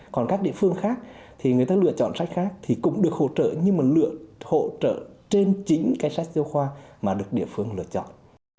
còn các địa phương khác thì người ta lựa chọn sách khác thì cũng được hỗ trợ nhưng mà lựa hỗ trợ trên chính cái sách giáo khoa mà được địa phương lựa chọn